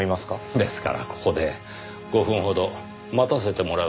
ですからここで５分ほど待たせてもらうつもりです。